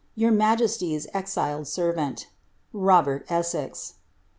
" Your majesty's exiled servant, "Robert Ebsxx."'